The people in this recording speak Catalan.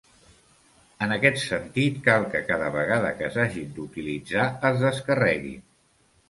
En aquest sentit, cal que cada vegada que s'hagin d'utilitzar es descarreguin.